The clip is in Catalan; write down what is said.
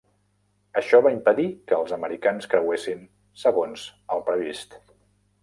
Això va impedir que els americans creuessin segons el previst.